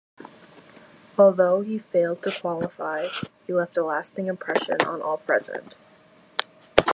Although he failed to qualify, he left a lasting impression on all present.